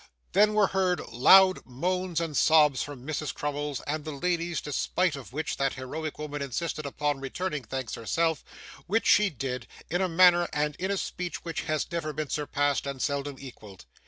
Then were heard loud moans and sobs from Mrs. Crummles and the ladies, despite of which that heroic woman insisted upon returning thanks herself, which she did, in a manner and in a speech which has never been surpassed and seldom equalled.